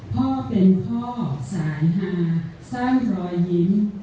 พ่อเป็นพ่อสายฮาสร้างรอยยิ้ม